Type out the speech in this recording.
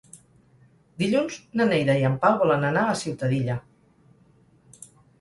Dilluns na Neida i en Pau volen anar a Ciutadilla.